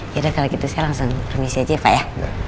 yaudah kalau gitu saya langsung remisi aja ya pak ya